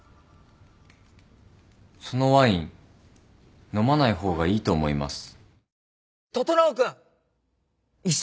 そのワイン飲まない方がいいと思います。